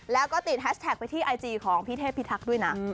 แล้วก็ติดแฮชแท็กไปที่ไอจีของพี่เทพิทักษ์ด้วยนะ